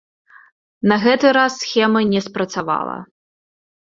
На гэты раз схема не спрацавала.